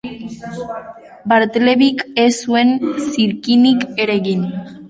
Bartlebyk ez zuen zirkinik ere egin.